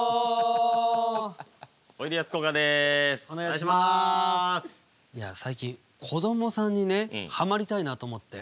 いや最近こどもさんにねはまりたいなと思って。